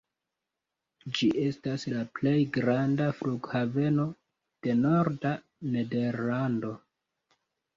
Ĝi estas la plej granda flughaveno de norda Nederlando.